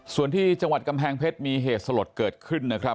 ส่วนที่จังหวัดกำแพงเพชรมีเหตุสลดเกิดขึ้นนะครับ